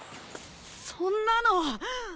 そんなの。